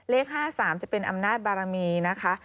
เลข๕๓จะเป็นอำนาจบารมีนะคะ